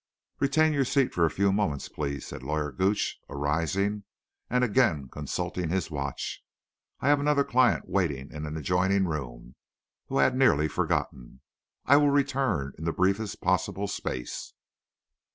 "Retain your seat for a few moments, please," said Lawyer Gooch, arising, and again consulting his watch. "I have another client waiting in an adjoining room whom I had very nearly forgotten. I will return in the briefest possible space."